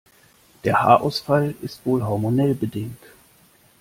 Der Haarausfall ist wohl hormonell bedingt.